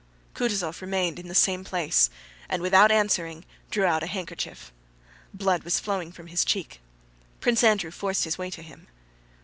Kutúzov remained in the same place and without answering drew out a handkerchief. Blood was flowing from his cheek. Prince Andrew forced his way to him.